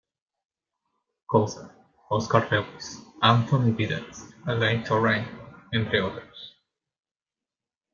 Coser, Oscar Lewis, Anthony Giddens, Alain Touraine, entre otros.